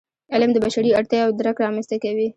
علم د بشري اړتیاوو درک رامنځته کوي.